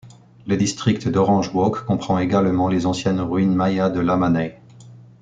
Le district d'Orange Walk comprend également les anciennes ruines Maya de Lamanai.